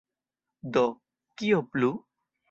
Do, kio plu?